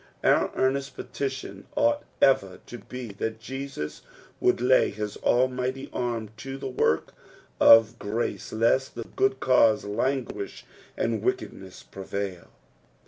Our earnest petition ought ever to be that Jesus would lay his almighty arm to the work of grace lest the good cause languish and wickedness prcvidl.